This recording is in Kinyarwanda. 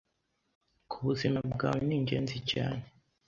ku buzima bwawe ningenzi cyane